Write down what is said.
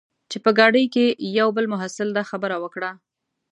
چې په ګاډۍ کې یوه بل محصل دا خبره وکړه.